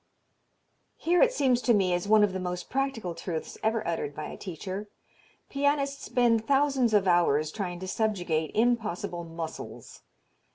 Here, it seems to me, is one of the most practical truths ever uttered by a teacher. Pianists spend thousands of hours trying to subjugate impossible muscles.